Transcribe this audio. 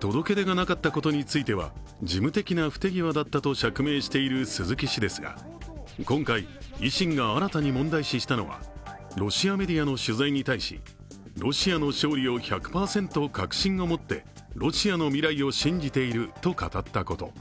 届け出がなかったことについては、事務的な不手際だったと釈明している鈴木氏ですが、今回、維新が新たに問題視したのはロシアメディアの取材に対しロシアの勝利を１００％確信を持ってロシアの未来を信じていると語ったこと。